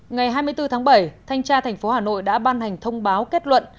ngày hai mươi bốn tháng bảy thanh tra tp hà nội đã ban hành thông báo kết luận